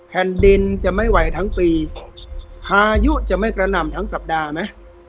แผ่นดินจะไม่ไหวทั้งปีพายุจะไม่กระหน่ำทั้งสัปดาห์ไหม